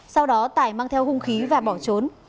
sau đó tài mang theo hung khí và bỏ trốn